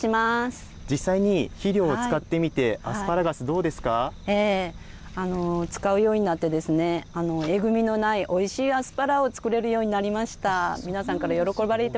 実際に肥料を使ってみて、ア使うようになって、えぐみのないおいしいアスパラを作れるようになりました。